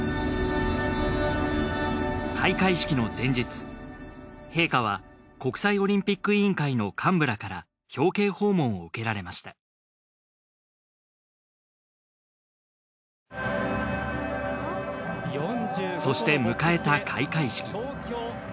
開会式の前日陛下は国際オリンピック委員会の幹部らから表敬訪問を受けられましたそして迎えた開会式。